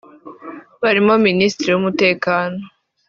barimo Minisitiri w’Umutekano